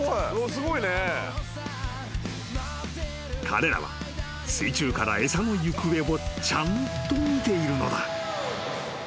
［彼らは水中から餌の行方をちゃんと見ているのだ］